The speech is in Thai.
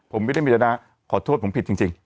ผมไม่ได้มีจนาขอโทษผมผิดจริง